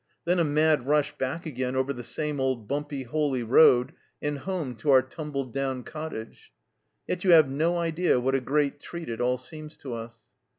Then a mad rush back again over the same old bumpy, holey road, and home to our tumbled down cottage. Yet you have no idea what a great treat it all seems to us."